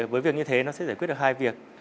với việc như thế nó sẽ giải quyết được hai việc